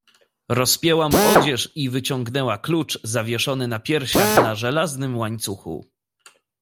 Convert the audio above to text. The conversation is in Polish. "Rozpięła mu odzież i wyciągnęła klucz, zawieszony na piersiach, na żelaznym łańcuchu."